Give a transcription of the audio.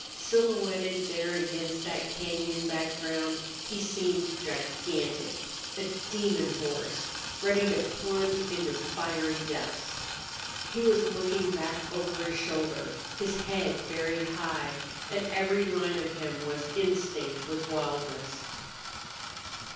Silhouetted there against that cañon background he seemed gigantic, a demon horse, ready to plunge into fiery depths. He was looking back over his shoulder, his head very high, and every line of him was instinct with wildness.